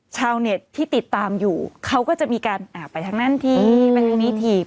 ชาวเน็ตที่ติดตามอยู่เขาก็จะมีการไปทางนั้นทีไปทางนี้ทีบ